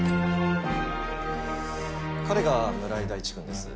彼が村井大地くんです。